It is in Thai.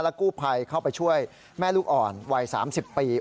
กู้ภัยเข้าไปช่วยแม่ลูกอ่อนวัย๓๐ปี